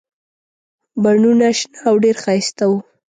بڼونه شنه او ډېر ښایسته وو.